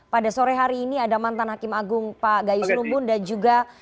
pada sore hari ini ada mantan hakim agung pak gayus lumbun dan juga